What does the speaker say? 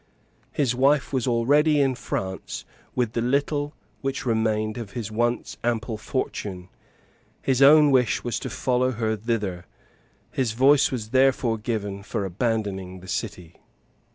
His wife was already in France with the little which remained of his once ample fortune: his own wish was to follow her thither: his voice was therefore given for abandoning the city.